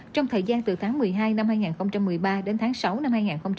trong thời gian từ tháng một mươi hai năm hai nghìn một mươi ba đến tháng sáu năm hai nghìn hai mươi